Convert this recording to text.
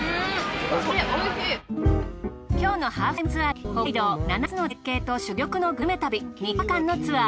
きょうの『ハーフタイムツアーズ』は北海道７つの絶景と珠玉のグルメ旅３日間のツアー。